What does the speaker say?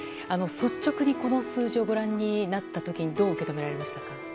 率直にこの数字をご覧になった時にどう受け止められましたか？